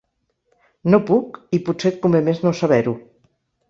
No puc, i potser et convé més no saber-ho.